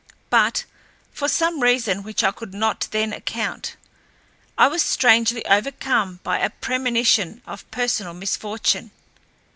But, for some reason which I could not then account, I was strangely overcome by a premonition of personal misfortune.